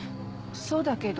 そうだけど。